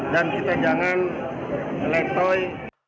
dan kita jangan letoy